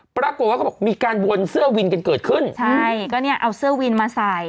ปรากฏว่าเขาบอกมีการวนเสื้อวินกันเกิดขึ้นใช่ก็เนี่ยเอาเสื้อวินมาใส่